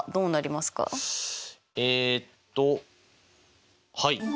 えっとはい。